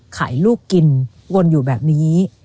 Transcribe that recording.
ลูกกินวนอยู่แบบนี้